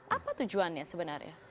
apa tujuannya sebenarnya